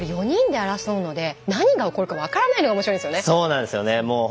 ４人で争うので何が起こるか分からないのがそうなんですよね。